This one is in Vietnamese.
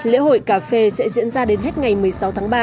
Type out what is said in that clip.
lễ hội cà phê sẽ diễn ra đến hết ngày một mươi sáu tháng ba